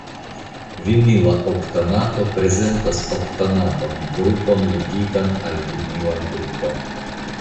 Vinila oktanato prezentas oktanatan grupon ligitan al vinila grupo.